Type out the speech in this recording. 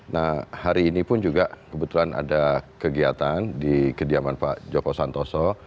nah hari ini pun juga kebetulan ada kegiatan di kediaman pak joko santoso